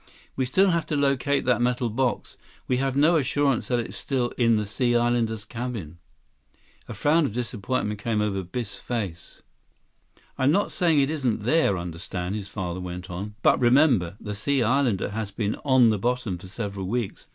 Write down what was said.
"We still have to locate that metal box. We have no assurance that it's still in the Sea Islander's cabin." A frown of disappointment came over Biff's face. "I'm not saying it isn't there, understand," his father went on. "But remember, the Sea Islander has been on the bottom for several weeks.